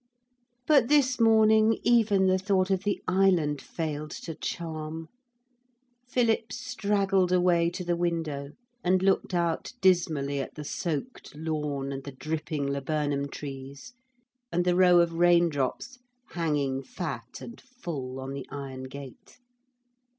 But this morning even the thought of the island failed to charm. Philip straggled away to the window and looked out dismally at the soaked lawn and the dripping laburnum trees, and the row of raindrops hanging fat and full on the iron gate.